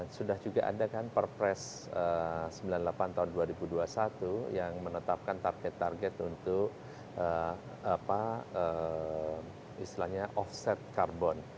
sudah juga ada kan perpres sembilan puluh delapan tahun dua ribu dua puluh satu yang menetapkan target target untuk istilahnya offset karbon